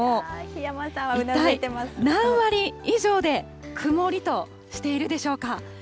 一体、何割以上で曇りとしているでしょうか？